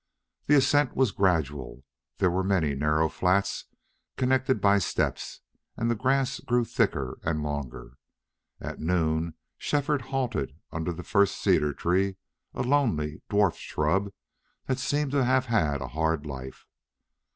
The ascent was gradual; there were many narrow flats connected by steps; and the grass grew thicker and longer. At noon Shefford halted under the first cedar tree, a lonely, dwarfed shrub that seemed to have had a hard life.